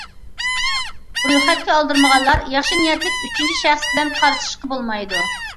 رويخەتكە ئالدۇرمىغانلار ياخشى نىيەتلىك ئۈچىنچى شەخس بىلەن قارشىلىشىشقا بولمايدۇ.